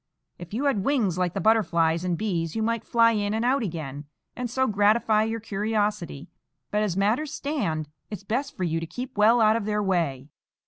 If you had wings like the butterflies and bees, you might fly in and out again, and so gratify your curiosity; but, as matters stand, it's best for you to keep well out of their way."